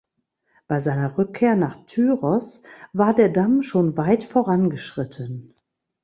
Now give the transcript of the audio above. Bei seiner Rückkehr nach Tyros war der Damm schon weit vorangeschritten.